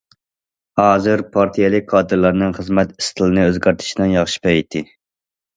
ھازىر پارتىيەلىك كادىرلارنىڭ خىزمەت ئىستىلىنى ئۆزگەرتىشنىڭ ياخشى پەيتى.